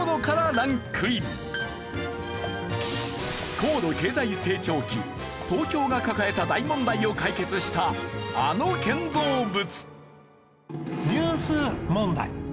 高度経済成長期東京が抱えた大問題を解決したあの建造物。